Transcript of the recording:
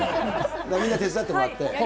みんな手伝ってもらって。